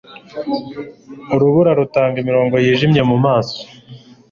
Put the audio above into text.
urubura rutanga imirongo yijimye mumaso